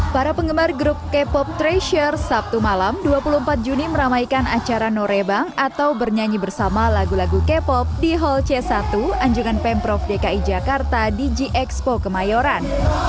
para penggemar grup k pop treasure sabtu malam dua puluh empat juni meramaikan acara norebang atau bernyanyi bersama lagu lagu k pop di hall c satu anjungan pemprov dki jakarta di g expo kemayoran